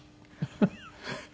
フフ。